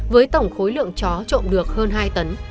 với tổng khối lượng chó trộn được hơn hai tấn